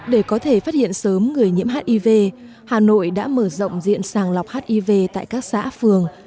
để có thể phát hiện sớm người nhiễm hiv hà nội đã mở rộng diện sàng lọc hiv tại các xã phường